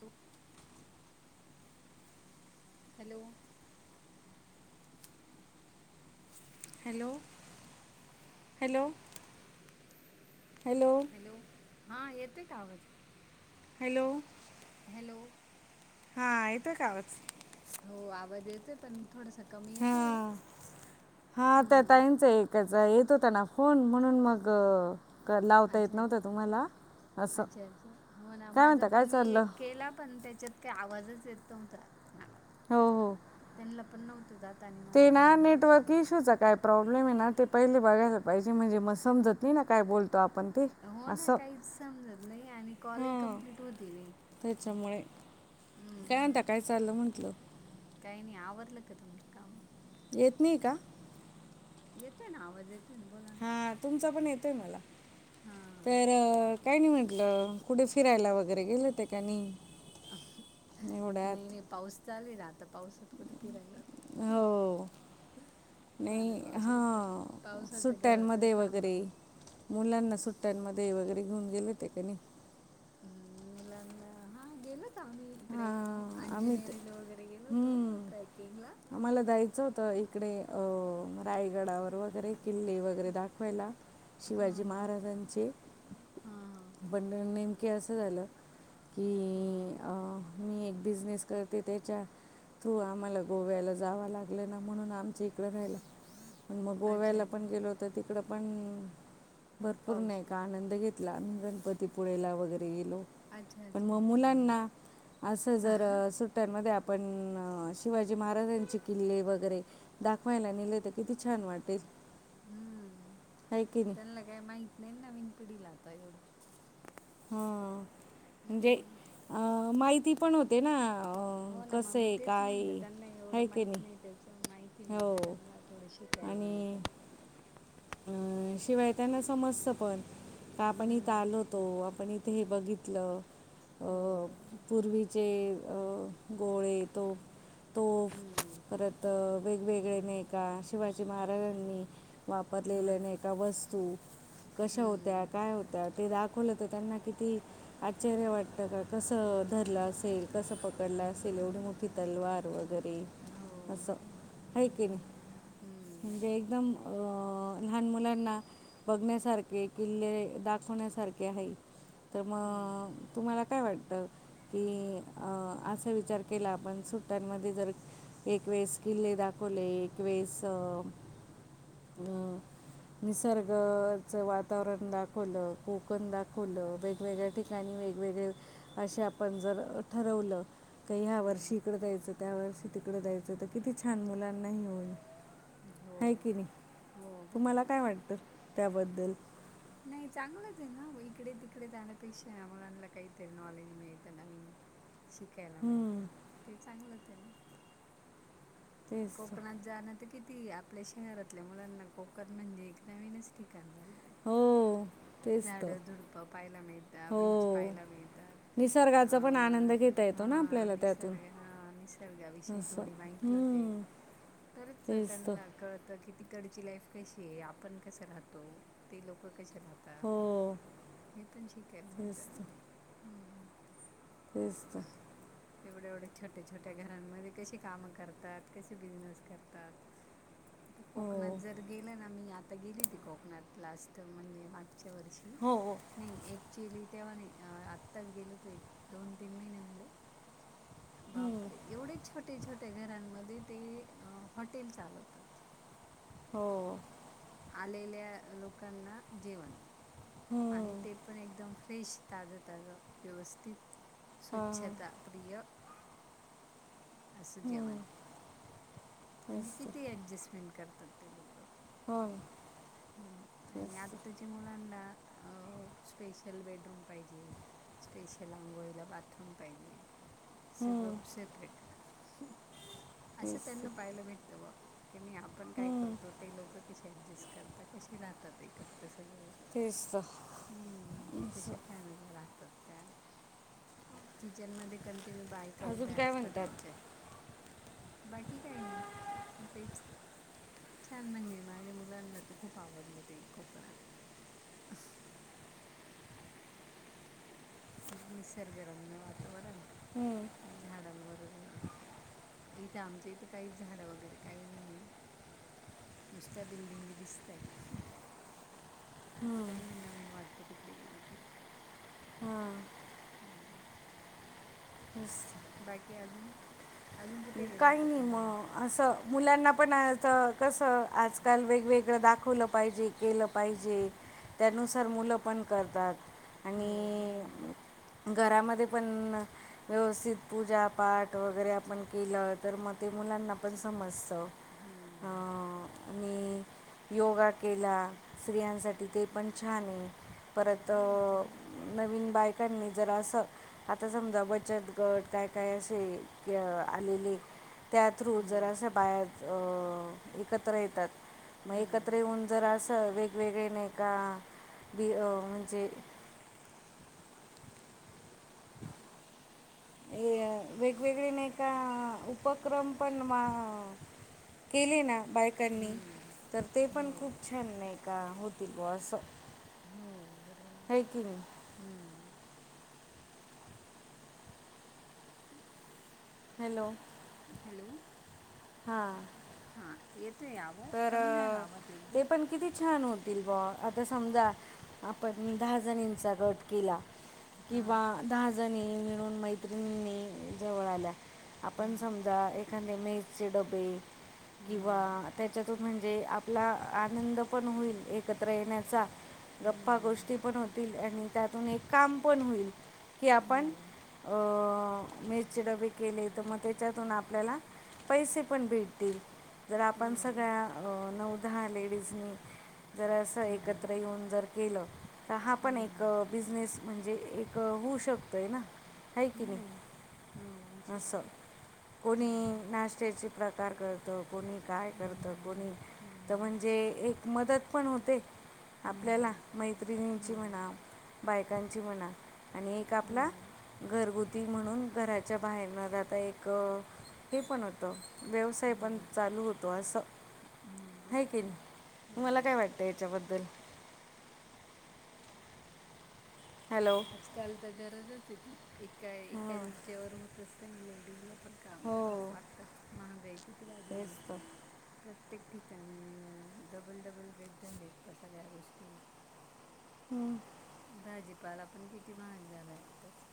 Hello. Hello. Hello hello hello. Hello हां, येतोय का आवाज? हॅलो. हॅलो. हा येतोय कां आवाज? हो आवाज येतोय पण थोडसक. हा हा त्या हां ताईचं एक त्याचा येत होता ना फोन म्हणून मग लावता येत अच्छा नव्हता तुम्हाला. असं अच्छा अच्छा हो ना काय माझा म्हणता काय पण मी चाललं एक केला पण त्याच्यात ते आवाजच येत नव्हता मला. हो हो. ला नव्हत जात. आणि मला ते पण ना नाही येत होत नेटवर्क इशूचा काय? प्रॉब्लेम आहे ना ते पहिले बघायला पाहिजे म्हणजे मग समजत नाही ना काय बोलतो आपण. ते हो ना असं काहीच समजत नाही आणि कॉले हां कम्प्लीट होती नाही. त्याच्यामुळे काय हम्म आता काय चाललं म्हंटलं. काही नाही आवरला का तुमचं काम. येत नाही का. येतोय ना आवाज येतोय ना बोला. ना हा तुमचा पण येतोय मला हां तर काय नाही म्हटलं. कुठे फिरायला वगैरे गेलं ते काणी नाही एवड्यात. नाही पाऊस चालू राहतं पावसात कुठे फिरायला. हो पाण्या नाही हा पावसाचं पावसाचं सुट्ट्यांमध्ये घरातच वगैरे. थांबावं. मुलांना सुट्ट्यांमध्ये वगैरे घेऊन गेले हो ते नाही. हम्म मुलांना हा गेलो होतं आम्ही. इकडे हां आम्ही तर अंजनेरीला वगैरे गेलो होतो हम्म. ट्रॅकिंगला. आम्हाला जायचं होतं इकडे अ रायगडवर वगैरे किल्ले वगैरे. वगैरे दाखवायला हां शिवाजी हां महाराजांचे. हां हां पण नेमके असं झालं. की हा. अं, मी एक बिझनेस करते त्याच्या थ्रू आम्हाला गोव्याला जावं लागलं ना म्हणून. ज इकडं राहायला मग अच्छा गोव्याला अच्छा पण गेलो होतो तिकडे पण भरपूर नाही पाऊस का आनंद घेतला गणपतीपुळेला वगैरे गेलो. अच्छा पण अच्छा मग हम्म मुलांना असं जर सुट्ट्यांमध्ये आपण शिवाजी महाराजांचे किल्ले वगैरे. दाखवायला निले तर किती छान वाटेल. हम्म आहे की नाही त्यांना काही माहित नाही ना नविन पिढीला आता एवढ हा म्हणजे हम्म. अ माहिती पण होते ना हो ना मग कसं मी आहे काय आहे हे की नाही. ज्हा माहिती हो मिळते त्यांना थोडीशी शिकायला मिळतं. अ शिवाय त्यांना समजतं पण का आपण इथ हम्म आलोत. तो आपण इथे हे बघितलं. हो अं, बरोबर. पूर्वीचे गोळे तोफ तोफ हम्म करत. तर वेगवेगळे नयका शिवाजी महाराजांनी. हो ना. वापरलेल्याने एका वस्तू कशा होत्या हम्म. काय होत्या. तर ते दाखवलं तर त्यांना किती आश्चर्य वाटत का कसं धरलं असेल कसं पकडलं असेल एवढी मोठी तलवार वगैरे हो असं बरोबर. आहे की नाही हम्म. म्हणजे एकदम अ अ लहान मुलांना बघण्यासारखे किल्ले दाखवण्यासारखे हाईत. तर हम्म. मग तुम्हाला काय वाटतं की असं विचार आपण सुट्ट्यांमध्ये जर एकवीस किल्ले दाखवले एकवीस हम्म निसर्गच वातावरण दाखवलं कोकण दाखवलं वेगवेगळ्या ठिक ठिकाणी वेगवेगळे असे आपण जर ठरवलं काही ह्या हम्म. वर्षी इकड जायचं त्या वर्षी तिकडं तर किती छान मुलांना हे होईल हो. आहे की नाही हो बरोबर तुम्हाला आहे. काय वाटतं त्याबद्दल. नाही चांगलंच आहे ना इकडे तिकडे जाण्यापेक्षा मुलांना काहीतरी नॉलेज मिळतं नवीन. [unintelligible] शिकायला हम्म, मिळतं ते चांगलंच आहे ना तेच तर कोकणात जाण ते किती आपल्या शहरातल्या मुलांना कोकण म्हणजे एक नवीनच ठिकाण झालते हो तेच तर झाडं झूडप पहायला मिळत हो बीच पहायला मिळत निसर्गाचा पण आनंद अ घेता येतो ना हा आपल्याला त्यातून निसर्ग हा निसर्गाविषयी असं थोडी माहिती माहिती होते हम्म, तरच तेच तर त्यांना कळत कि तिकडची लाईफ कशी आहे आपण कसं राहतो ते लोक कसे राहत राहता हो हे पण शिकायला मिळत तेच ना. तर हम्म तेच तर एवढ्या एवढ्या छोट्या छोट्या घरांमध्ये कशी कामं कर तात कसे बिजनेस करतात हो कोकणात जर गेलं ना मी आता गेली हो ती कोकणात लास्ट म्हणजे मागच्या वर्षी हो हो नाही ॲक्च्युअली तेव्हा नाही आत्ताच गेलो होतो एक दोन तीन महिने झाले हम्म, बापरे एवढे छोटे छोटे घरांनमध्ये ते हॉटेल चालवतात हो आलेल्या लोकांना जेवण आणि हम्म, ते पण एकदम फ्रेश ताजं ताजं व्यवस्थित हा, स्वच्छता प्रिय असं हम्म, जेवण म्हणजे तेच तर किती ऍडजस्टमेंट करतात ते लोक हो हू आणि तेच तर आत्ताची मुलांना अ स्पेशल बेडरूम पाहिजे स्पेशल अंघोळीला बाथरूम पाहिजे सगळ हम्म, सेपरेट असं तेच तर त्यांना पायला भेटतं बा की नाही आपण काय हम्म, करतो ते लोक कशी ॲडजस्ट करतात कसे राहतात एकत्र सगळे तेच तर हू असं कश्या फॅमिली राहतात त्या किचन मध्ये कंटिन्यू बायका अजून उभ्या काय असता म्हणतात त्यांच्या बाकी काय नाही पण तेच छान म्हणजे माझ्या मुलांना तर खूप आवडलं ते कोकणात निसर्गरम्य वातावरण हम्म. झाडांवर इथ आमच्या इथं काहीच झाडं वगैरे काही नाहीये नुसत्या बिल्डिंगी दिसताय म ते त्यांना नवीन वाटतं तिकडे गेले की हू बस बाकी अजून अजून कुठे गेलं काही होतं नाही फिरायला मग असं मुलांना पण कसं आजकाल वेगवेगळं दाखवलं पाहिजे केलं पाहिजे त्यानुसार मुलं पण करतात हो आणि बरोबर आहे. घरामध्ये पण व्यवस्थित पूजापाठ वगैरे आपण केलं तर म ते मुलांना पण समजतं हू हा आणि योगा केला स्त्रियांसाठी ते पण छान हाय परत हो चांगलं नवीन बायकांनी जर असं आता समजा बचत गट काय काय असे कि आलेले त्या थ्रू जर हम्म असं बाहेर एकत्र येतात म एकत्र हम्म. येऊन जर अस वेगवेगळे नाही का बी अ म्हणजे [inaudible] हे वेगवेगळे नाही का उपक्रम पण वा केली ना बायकांनी हम्म तर ते हो पण खूप छान नाही का होतील बुवा असं हो बरं आहे की नाही झालं हू हॅलो हॅलो हां हा येतोय आवाज कमी झाला आवाज एकदम तो किती छान हो होतील बा, आता समजा आपण दहा जनिनचा गट केला, हां किंवा दहा जणी मिळून मैत्रिणीनी जवळ आल्या, आपण समजा एक एखाद्या मेसचे डबे, किंवा त्याच्यातून म्हणजे आपला आनंद पण होईल एक एकत्र येण्याचा, गप्पा गोष्टी पण होतील आणि त्यातून एक काम पण होईल की हो आपण मेसचे डबे केले, तर मग त्याच्यातून आपल्याला पैसे पण भेटतील, जर आप हो पण सगळ्या नऊ दहा लेडीजनी जर असं हम्म एकत्र येऊन जर केलं, तर हा पण एक बिझनेस म्हणजे एक होऊ श शकतोय ना आहे की नाही? हो हो होऊ अस, शकतो कोणी नाश्त्याचे प्रकार करत, कोणी काय करतं कोणी, तर म्हणजे एक मदत पण होते हम्म आपल्याला हम्म मैत्रिणींची हो म्हणा, बायकांची म्हणा आणि एक हो आपला घरगुती म्हणून घराच्या बाहेरन जाता एक हे पण होतं व्यवसाय हो पण चालू होतो असं हम्म आहे की नी, बरोबर हो तुम्हाला काय वाट त याच्या बद्दल? हॅलो आजकाल तर गरजच ये ती, एका एका हां हिच्यावर होतच नाही लेडीजला पण काम करावच हो लागतं, महागाई किती वाढली तेच ये. तर प्रत्येक ठिकाणी डबल -डबल रेट धरलेत सगळ्या गोष्टींचे. हम्म. भाजीपाला पण किती महाग झालाय आत्ताच.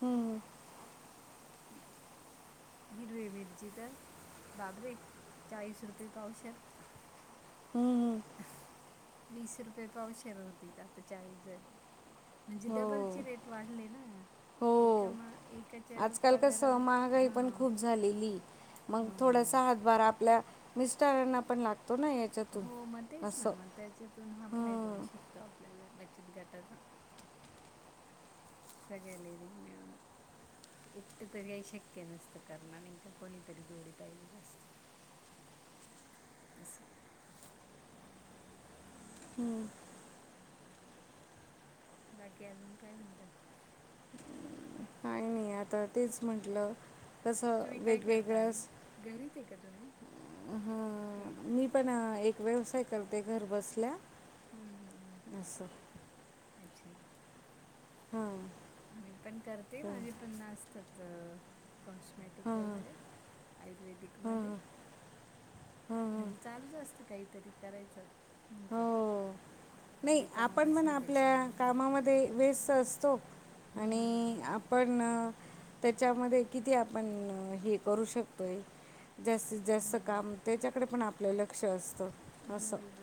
हम्म हम्म. [inaudible] हिरवी मिरची तर बापरे चाळीस रुपये पावशेर. हम्म हम्म. वीस रुपये पावशेर होती त आता चाळीस झाली. म्हणजे हो डबलची रेट वाढले ना. एका हो मा एकाच्या आजकाल कसं पगारावर महागाई हा. पण खूप झालेली मग थोडासा हातभार आपल्या मिस्टरांना पण लागतो ना एक हो मग तेच ना मग त्याच्यातून हा फायदा होऊ हां शकतो आपल्याला बचत गटाचा. सगळ्या लेडीज मिळून एकटी तरी काही शक्य नसतं करण नाही का कोणीतरी जोडी पाहिजेच असतं. [inaudible] असं. हम्म. बाकी अजून काय म्हणता? काही नाही आता तेच म्हटलं कसं तुम्ही काय करता वेगवेगळं आणि घरीच आहे का तुम्ही हं, काही मी पण एक व्यवसाय करते घर बसल्या हम्म हम्. असं. अच्छा. हां मी पण करते हो माझे पण असतात कॉस्मॅटिक वगैरे आयुर्वेदिक मध्ये. म्हणजे चालूच असतं काहीतरी करायचं नाही का. हो. नाही रिकामा आपण म्हण बसण्यापेक्षा आपल्या कामामध्ये व्यस्त असतो हम्म आणि आपण त्याच्यामध्ये किती आपण हे करू शकतोय जास्त. जास्त हो काम त्याच्याकडे पण आपलं लक्ष असतं असं हो ब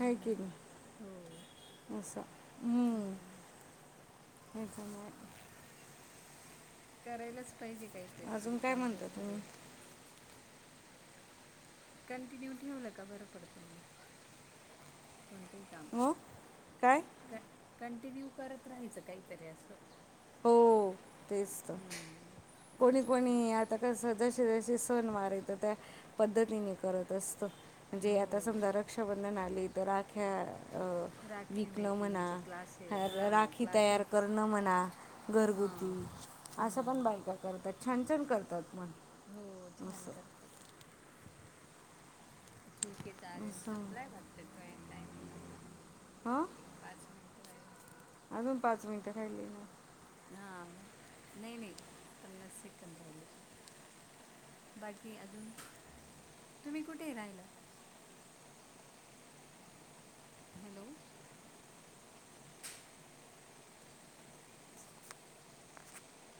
आहे की नाही. हो. अस हं. काय चालू आहे. करायलाच पाहिजे काहीतरी अजून काय रिकामं म्हणता बसण्या तुम्ही पेक्षा. कंटिन्यू ठेवलका बरपडत मग. कोणतं हि काम. हो काय क कंटिन्यू करत राहायचं काहीतरी असं. हो तेच तर हम्म. कोणी असं कोणी आता. कस जसे जसे सण वार येत त्या पद्धतीने करत असत. म्हणजे आता हो समजा रक्षाबंधन आले तर राख्या राखी विकणं म्हणा. मेकिंगचे क्लासेस हां राखी तयार क्लासेस करणं म्हणा हां घरगुती असं पण हम्म. बायका आहे. करतात छान छान करतात पण हो छान असं. करतात ठीक आहे चालेल असं संपलाय वाटतं टायमिंग आपला. हा. एक पाच मिनटं राहिले. अजून पाच मिनटं राहिले कां. हां नाही नाही पन्नास सेकंद राहिलेत फक्त. बाकी अजून तुम्ही कुठे राहायला? हॅलो. हं.